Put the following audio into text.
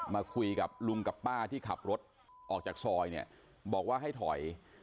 มาคุยกับลุงกับป้าที่ขับรถออกจากซอยเนี่ยบอกว่าให้ถอย